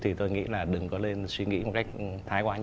thì tôi nghĩ là đừng có lên suy nghĩ một cách thái quá nhé